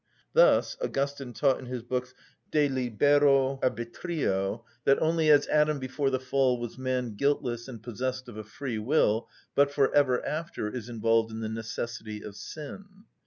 Thus Augustine taught, in his books De libero arbitrio, that only as Adam before the fall was man guiltless and possessed of a free will, but for ever after is involved in the necessity of sin.